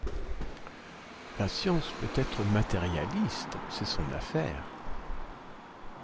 La science peut être matérialiste, c’est son affaire.